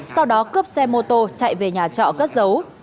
sau đó cướp xe mô tô chạy về nhà trọ cất dấu